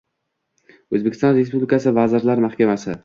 O‘zbekiston Respublikasi Vazirlar Mahkamasi: